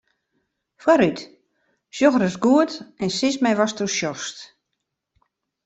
Foarút, sjoch ris goed en sis my watsto sjochst.